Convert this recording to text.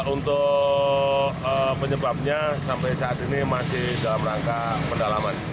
untuk penyebabnya sampai saat ini masih dalam rangka pendalaman